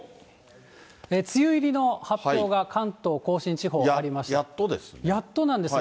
梅雨入りの発表が関東甲信地やっとですね。